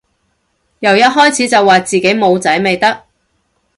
由一開始就話自己冇仔咪得